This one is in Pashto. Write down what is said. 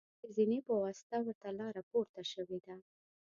د زینې په واسطه ورته لاره پورته شوې ده.